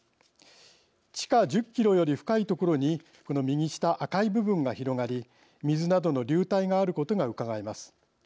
地下１０キロより深い所にこの右下赤い部分が広がり水などの流体があることがうかがえます。